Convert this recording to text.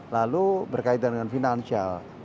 lalu berkaitan dengan financial